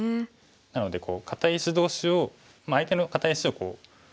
なので堅い石同士を相手の堅い石を追いやって。